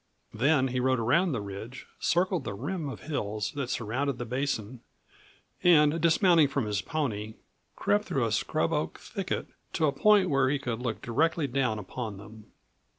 Then he rode around the ridge, circled the rim of hills that surrounded the basin, and dismounting from his pony, crept through a scrub oak thicket to a point where he could look directly down upon them.